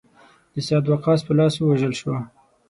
د سعد وقاص په لاس ووژل شو.